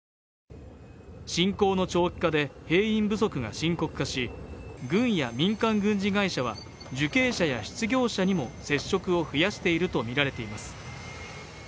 侵攻の長期化で兵員不足が深刻化し軍や民間軍事会社は受刑者や失業者にも接触を増やしていると見られています